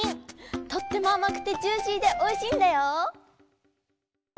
とてもあまくてジューシーでおいしいんだよ。